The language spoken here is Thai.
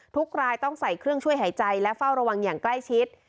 ทุกรายต้องใส่เครื่องช่วยหายใจและเฝ้าระวังอย่างใกล้ชิด